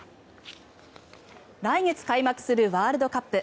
来月開幕するワールドカップ。